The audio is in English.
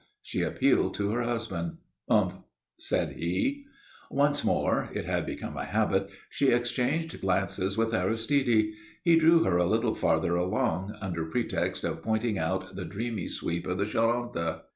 She appealed to her husband. "Umph!" said he. Once more (it had become a habit) she exchanged glances with Aristide. He drew her a little farther along, under pretext of pointing out the dreamy sweep of the Charente.